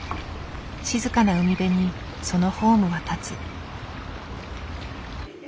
静かな海辺にそのホームは建つ。